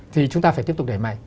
thì chúng ta phải tiếp tục đẩy mạnh